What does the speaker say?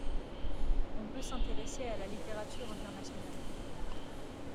On peut s’intéresser à la littérature internationale.